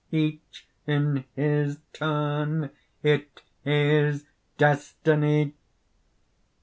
Each in his turn; it is Destiny!"